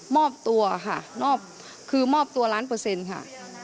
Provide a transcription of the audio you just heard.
มอบตัวค่ะมอบคือมอบตัวล้านเปอร์เซ็นต์ค่ะ